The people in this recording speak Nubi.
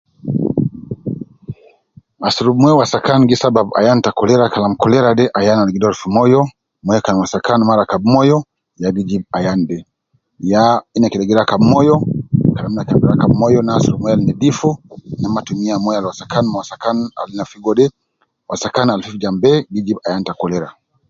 Asurub moyo wasakan gi sabab ayan te cholera Kalam cholera de ayan al gi doru fi moyo, moyo kan wasakan ma rakab moyo ,ya gi jib ayan de, ya ina kede gi rakab, Kalam ina ke gi rakab moyo, ne asurub moyo al nedifu al waskan al ma fi fogo de, wasakan al jambu be gi jib ayan te cholera